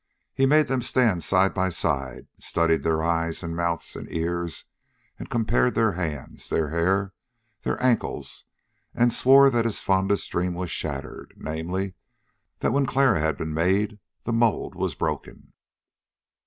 He made them stand side by side, studied their eyes and mouths and ears, compared their hands, their hair, their ankles, and swore that his fondest dream was shattered namely, that when Clara had been made the mold was broken.